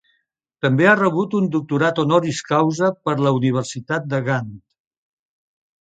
També ha rebut un doctorat honoris causa per la Universitat de Gant.